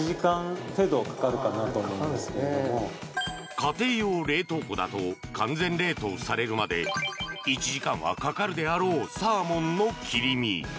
家庭用冷凍庫だと完全冷凍されるまで１時間はかかるであろうサーモンの切り身。